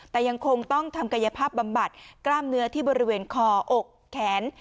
แต่ยังคงต้องทำกายภาพบำบัดกล้ามเนื้อที่บริเวณคออกแขน